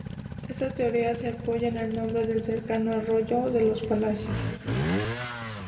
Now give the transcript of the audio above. Esta teoría se apoya en el nombre del cercano arroyo de Los Palacios.